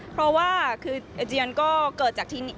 เพราะว่าคืออาเจียนก็เกิดจากที่